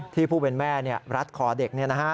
ที่ผู้เป็นแม่รัฐคอเด็กนี่นะฮะ